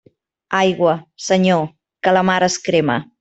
Aigua, Senyor, que la mar es crema.